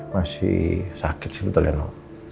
masih sakit sih betul ya noh